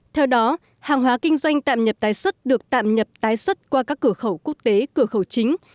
theo đó hàng hóa kinh doanh tạm nhập tái xuất được tạm nhập tái xuất qua các cửa khẩu quốc tế cửa khẩu chính